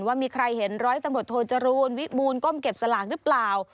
ว่ามีใครเห็นร้อยตำรวจโทจรูลวิมูลก้มเก็บสลากหรือเปล่า